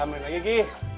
ya main lagi gi